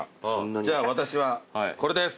じゃあ私はこれです。